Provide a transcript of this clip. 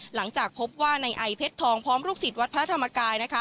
หลังจากพบว่าในไอเพชรทองพร้อมลูกศิษย์วัดพระธรรมกายนะคะ